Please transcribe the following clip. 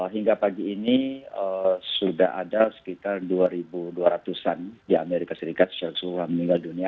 hingga pagi ini sudah ada sekitar dua dua ratus an di amerika serikat secara keseluruhan meninggal dunia